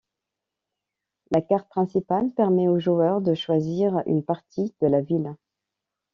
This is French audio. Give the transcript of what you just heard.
La carte principale permet au joueur de choisir une partie de la ville.